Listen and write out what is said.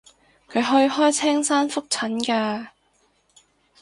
佢去開青山覆診㗎